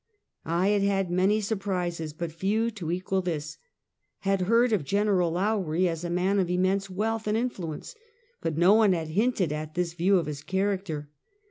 I had had many surprises, but few to equal this; had heard of Gen. Lowrie as a man of immense wealtli and influence, but no one had hinted at this view of his character.